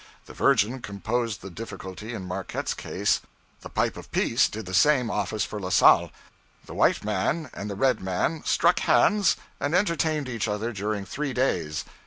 The Virgin composed the difficulty in Marquette's case; the pipe of peace did the same office for La Salle. The white man and the red man struck hands and entertained each other during three days.